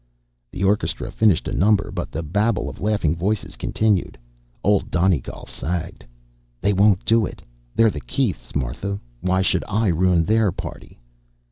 The orchestra finished a number, but the babble of laughing voices continued. Old Donegal sagged. "They won't do it. They're the Keiths, Martha. Why should I ruin their party?"